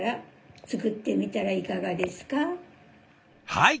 はい。